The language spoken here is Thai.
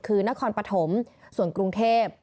คือนครปฐมส่วนกรุงเทพ